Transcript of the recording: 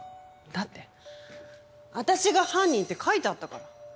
だって私が犯人って書いてあったから。